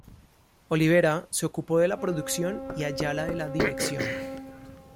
Olivera se ocupó de la producción y Ayala de la dirección.